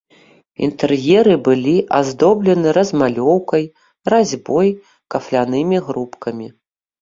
Інтэр'еры былі аздоблены размалёўкай, разьбой, кафлянымі грубкамі.